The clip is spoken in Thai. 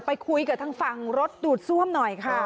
ไปคุยกับทางฝั่งรถดูดซ่วมหน่อยค่ะ